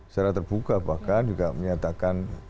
secara terbuka bahkan juga menyatakan saatnya membunuh tohut